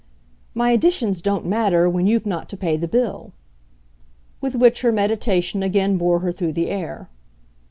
"My additions don't matter when you've not to pay the bill." With which her meditation again bore her through the air.